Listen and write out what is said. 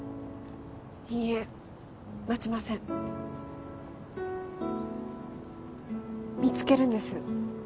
いいえ待ちません見つけるんです